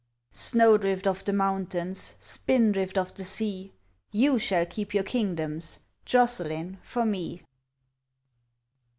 Snowdrift of the mountains, Spindrift of the sea, You shall keep your kingdoms; Joscelyn for me!